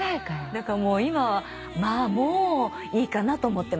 だからもう今はまあもういいかなと思ってます。